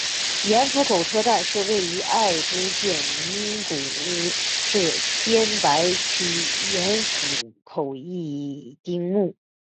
盐釜口车站是位于爱知县名古屋市天白区盐釜口一丁目。